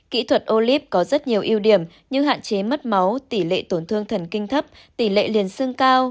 kỹ thuật olip có rất nhiều ưu điểm như hạn chế mất máu tỷ lệ tổn thương thần kinh thấp tỷ lệ liền xương cao